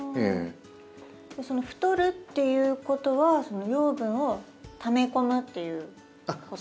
その太るっていうことは養分をため込むっていうことなんですね。